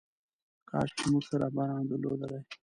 کاش چې موږ ښه رهبران درلودلی.